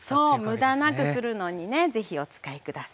無駄なくするのにね是非お使い下さい。